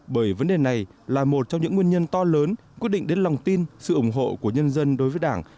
bởi vấn đề này là một trong những nguyên nhân to lớn quyết định đến lòng tin sự ủng hộ của nhân dân đối với đảng